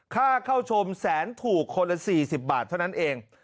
ค่าเข้าชมแสนถูกคนละ๔๐บาทเท่านั้นเอง